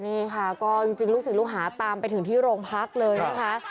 นี่ค่ะก็จริงลูกศิษย์ลูกหาตามไปถึงที่โรงพักเลยนะคะ